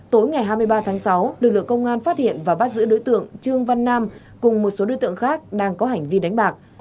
tối ngày hai mươi ba tháng sáu lực lượng công an phát hiện và bắt giữ đối tượng trương văn nam cùng một số đối tượng khác đang có hành vi đánh bạc